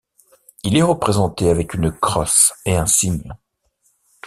Il est représenté avec une crosse et un cygne.